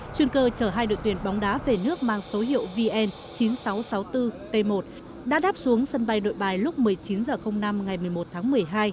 chuyên cơ chở hai đội tuyển bóng đá về nước mang số hiệu vn chín nghìn sáu trăm sáu mươi bốn t một đã đáp xuống sân bay nội bài lúc một mươi chín h năm ngày một mươi một tháng một mươi hai